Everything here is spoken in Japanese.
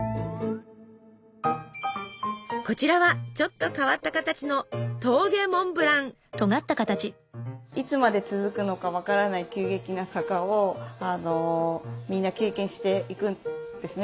こちらはちょっと変わった形のいつまで続くのか分からない急激な坂をみんな経験していくんですね。